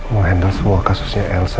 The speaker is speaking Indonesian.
mengendal semua kasusnya elsa